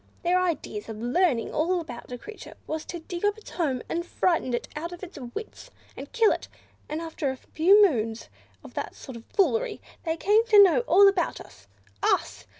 Their idea of learning all about a creature was to dig up its home, and frighten it out of its wits, and kill it; and after a few moons of that sort of foolery they claimed to know all about us. Us!